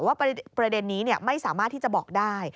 ประเด็นนี้ไม่สามารถที่จะบอกได้